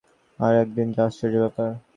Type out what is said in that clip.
আর একদিন যা আশ্চর্য ব্যাপার!